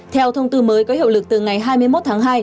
theo thông tư mới có hiệu lực từ ngày hai mươi một tháng hai